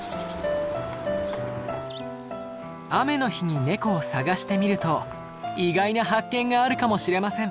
雨の日にネコを探してみると意外な発見があるかもしれません。